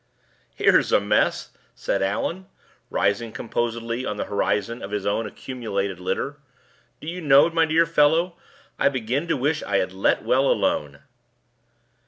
"Here's a mess!" said Allan, rising composedly on the horizon of his own accumulated litter. "Do you know, my dear fellow, I begin to wish I had let well alone!"